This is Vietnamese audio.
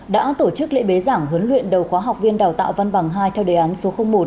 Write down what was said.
đã tổ chức lễ bế giảng huấn luyện đầu khóa học viên đào tạo văn bằng hai theo đề án số một